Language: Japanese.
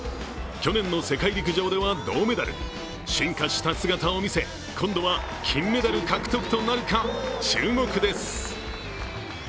去年の世界陸上では銅メダル進化した姿を見せ、今度は金メダル獲得となるか注目です。